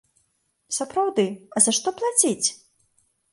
Сапраўды, а за што плаціць?